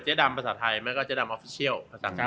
เจ๊ดำภาษาไทยและเจ๊ดำออฟฟิเชียล